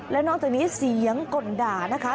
และนอกจากนี้เสียงก่นด่านะคะ